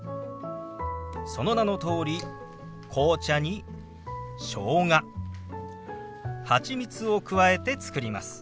その名のとおり紅茶にしょうがハチミツを加えて作ります。